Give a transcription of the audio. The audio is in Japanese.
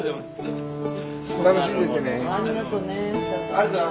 ありがとうね。